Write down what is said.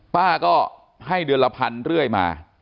ป้าก็ให้เดือนละพันเรื่อยมา